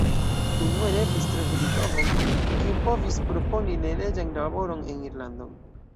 Unue nepris trovi litovon, kiu povis proponi neleĝan laboron en Irlando.